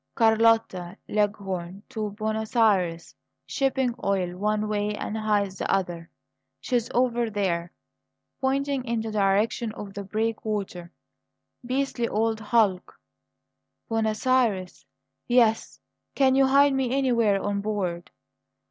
"Carlotta Leghorn to Buenos Ayres; shipping oil one way and hides the other. She's over there" pointing in the direction of the breakwater "beastly old hulk!" "Buenos Ayres yes! Can you hide me anywhere on board?"